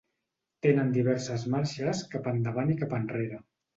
Tenen diverses marxes cap endavant i cap enrere.